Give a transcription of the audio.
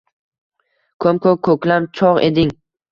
Ko‘m-ko‘k ko‘klam chog‘ eding.